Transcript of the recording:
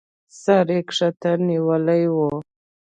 سر يې کښته نيولى و.